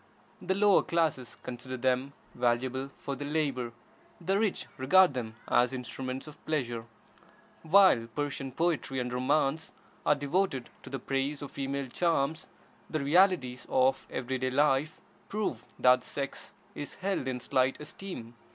The lower classes consider them valuable for their labor, the rich regard them as instruments of pleasure. While Persian poetry and romance are devoted to the praise of female charms, the realities of every day life prove that the sex is held in slight esteem.